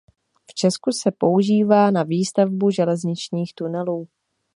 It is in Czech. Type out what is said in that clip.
V Česku se používá na výstavbu železničních tunelů.